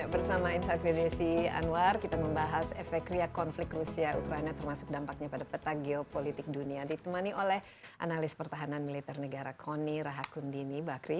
bersama insight with desi anwar kita membahas efek ria konflik rusia ukraina termasuk dampaknya pada peta geopolitik dunia ditemani oleh analis pertahanan militer negara koni rahakundini bakri